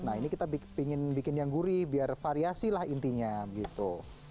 nah ini kita ingin bikin yang gurih biar variasi lah intinya gitu